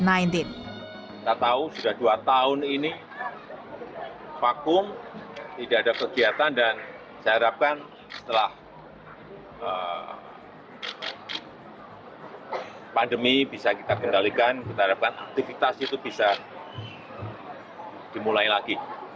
pandemi bisa kita kendalikan kita harapkan aktivitas itu bisa dimulai lagi